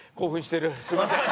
すみません。